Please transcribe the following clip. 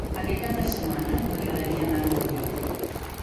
Aquest cap de setmana m'agradaria anar a Orba.